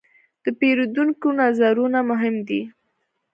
د پیرودونکو نظرونه مهم دي.